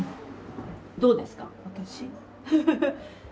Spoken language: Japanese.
どうですか？